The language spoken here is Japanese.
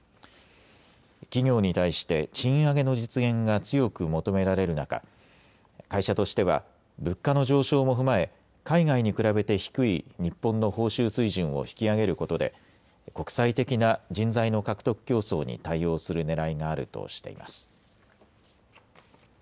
企業に対して賃上げの実現が強く求められる中、会社としては物価の上昇も踏まえ海外に比べて低い日本の報酬水準を引き上げることで国際的な人材の獲得競争に対応するねらいがあるとしています。